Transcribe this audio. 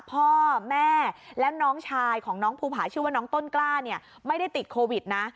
พ่อแม่และน้องชายของน้องภูผาชื่อว่าน้องต้นกล้าเนี่ยไม่ได้ติดโควิดนะ